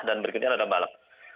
dan berikutnya ada balok